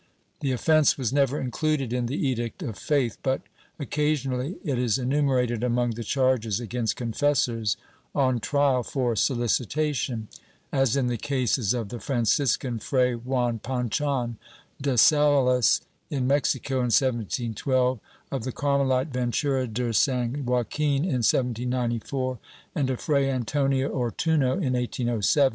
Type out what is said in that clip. The offence was never included in the Edict of Faith, but occa sionally it is enumerated among the charges against confessors on trial for solicitation, as in the cases of the Franciscan Fray Juan Pachon de Salas, in Mexico in 1712, of the Carmelite Ventura de San Joaquin in 1794, and of Fray Antonio Ortuiio in 1807.